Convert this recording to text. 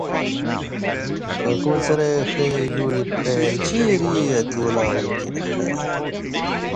She has been denied bail.